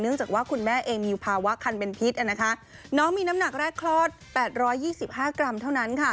จากว่าคุณแม่เองมีภาวะคันเป็นพิษน้องมีน้ำหนักแรกคลอด๘๒๕กรัมเท่านั้นค่ะ